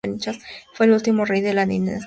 Fue el último rey de la dinastía de Sverker.